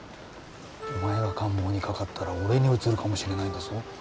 お前が感冒にかかったら俺にうつるかもしれないんだぞ。